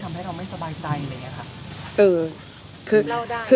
ทำให้เราไม่สบายใจอย่างเงี้ยค่ะ